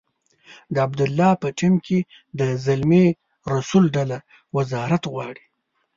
د عبدالله په ټیم کې د زلمي رسول ډله وزارت غواړي.